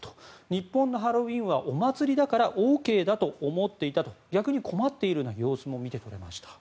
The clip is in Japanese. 日本のハロウィーンはお祭りだからＯＫだと思っていたと逆に困っているような様子も見て取れました。